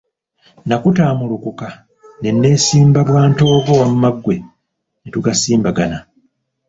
Nakutaamulukuka ne neesimba bwantoogo wamma ggwe ne tugasimbagana.